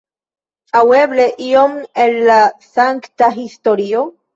Aŭ eble ion el la sankta historio?